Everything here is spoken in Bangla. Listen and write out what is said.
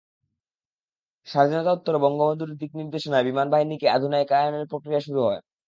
স্বাধীনতা উত্তর বঙ্গবন্ধুর দিক নির্দেশনায় বিমান বাহিনীকে আধুনিকায়নের প্রক্রিয়া শুরু হয়।